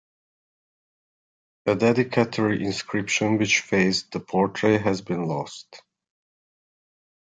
A dedicatory inscription which faced the portrait has been lost.